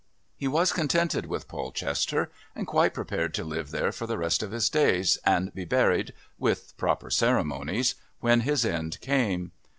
He was contented with Polchester, and quite prepared to live there for the rest of his days and be buried, with proper ceremonies, when his end came.